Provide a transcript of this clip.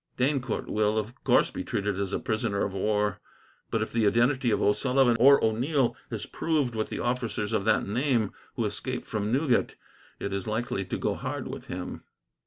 "D'Eyncourt will, of course, be treated as a prisoner of war; but if the identity of O'Sullivan or O'Neil is proved with the officers of that name who escaped from Newgate, it is likely to go hard with him."